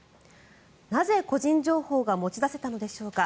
なぜ、個人情報が持ち出せたのでしょうか。